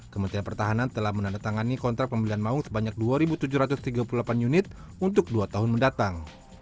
kementerian pertahanan telah menandatangani kontrak pembelian maung sebanyak dua tujuh ratus tiga puluh delapan unit untuk dua tahun mendatang